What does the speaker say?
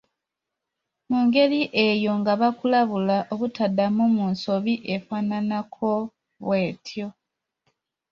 Mu ngeri eyo nga bakulabula obutadda mu nsobi efaananako bw’etyo.